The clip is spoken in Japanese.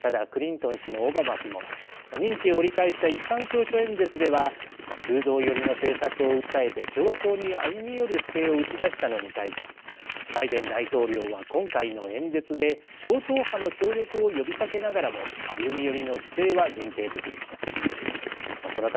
ただ、クリントン氏もオバマ氏も任期を折り返した一般教書演説では中道寄りの政策を訴えて共和党に歩み寄る姿勢を打ち出したのに対しバイデン大統領は今回の演説で超党派の協力を呼びかけながらも歩み寄りの姿勢は限定的でした。